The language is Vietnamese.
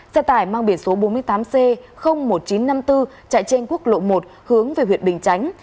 xe tải mang biển số bốn mươi tám c một nghìn chín trăm năm mươi bốn chạy trên quốc lộ một hướng về huyện bình chánh